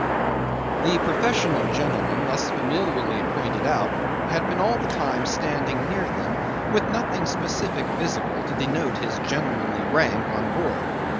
The professional gentleman thus familiarly pointed out, had been all the time standing near them, with nothing specific visible, to denote his gentlemanly rank on board.